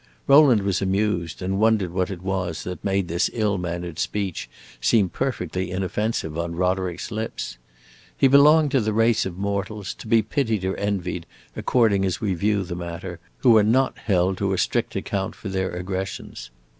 Rowland was amused, and wondered what it was that made this ill mannered speech seem perfectly inoffensive on Roderick's lips. He belonged to the race of mortals, to be pitied or envied according as we view the matter, who are not held to a strict account for their aggressions.